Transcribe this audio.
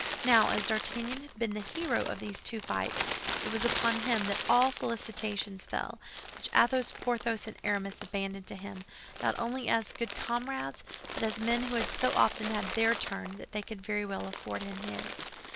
Now, as D'Artagnan had been the hero of these two fights, it was upon him that all the felicitations fell, which Athos, Porthos, and Aramis abandoned to him, not only as good comrades, but as men who had so often had their turn that they could very well afford him his.